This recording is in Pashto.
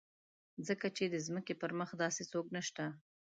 ځکه چې د ځمکې پر مخ داسې څوک نشته.